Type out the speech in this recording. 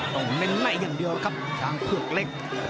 ต้องเน้นไหลอย่างเดียวครับช้างเผือกเล็ก